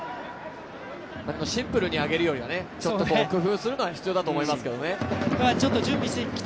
シンプルに上げるよりは工夫するのが必要だと思いますけどね。